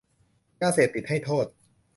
ยาเสพติดให้โทษ